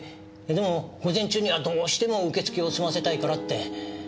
でも午前中にはどうしても受け付けを済ませたいからって。